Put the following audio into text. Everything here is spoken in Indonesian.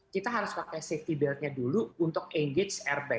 kita harus pakai safety belt nya dulu untuk engage airbag